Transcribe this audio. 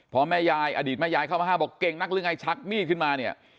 พอแม่ยายอดีตแม่ยายเข้ามาห้ามบอกเก่งนักหรือไงชักมีดขึ้นมาเนี่ย